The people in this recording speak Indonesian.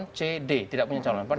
c d tidak punya calon